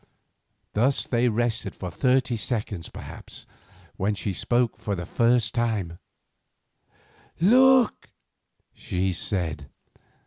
Thus they rested for thirty seconds, perhaps, when she spoke for the first time: "Look!" she said.